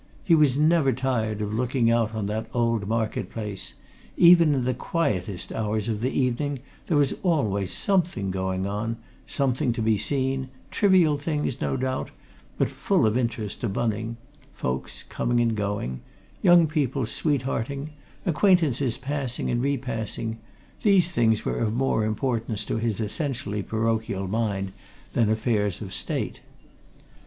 He was never tired of looking out on that old market place; even in the quietest hours of the evening there was always something going on, something to be seen, trivial things, no doubt, but full of interest to Bunning: folks coming and going; young people sweethearting; acquaintances passing and re passing; these things were of more importance to his essentially parochial mind than affairs of State.